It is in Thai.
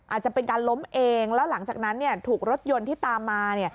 อาจจะเป็นการล้มเองแล้วหลังจากนั้นถูกรถยนต์ที่ตามมา